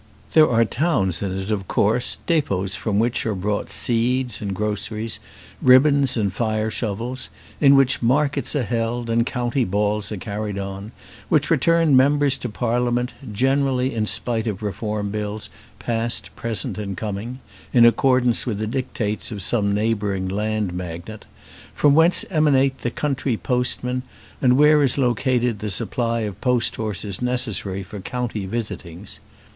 There are towns in it, of course; dépôts from whence are brought seeds and groceries, ribbons and fire shovels; in which markets are held and county balls are carried on; which return members to Parliament, generally in spite of Reform Bills, past, present, and coming in accordance with the dictates of some neighbouring land magnate: from whence emanate the country postmen, and where is located the supply of post horses necessary for county visitings.